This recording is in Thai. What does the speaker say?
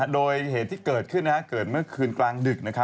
โดยเหตุที่เกิดขึ้นเกิดเมื่อคืนกลางดึก